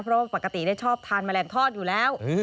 เพราะว่าปกติได้ชอบทานแมลงทอดอยู่แล้ว